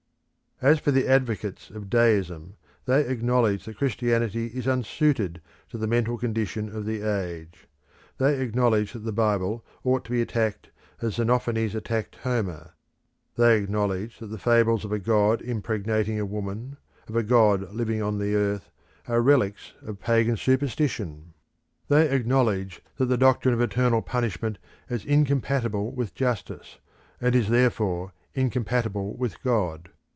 As for the advocates of Deism they acknowledge that Christianity is unsuited to the mental condition of the age; they acknowledge that the Bible ought to be attacked as Xenophanes attacked Homer; they acknowledge that the fables of a god impregnating a woman, of a god living on the earth, are relics of pagan superstition; they acknowledge that the doctrine of eternal punishment is incompatible with justice, and is therefore incompatible with God.